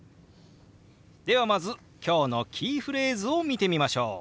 ではまず今日のキーフレーズを見てみましょう。